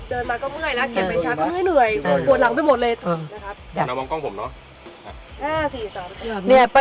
หนึ่งสองซ้ำยาดมนุษย์ป้า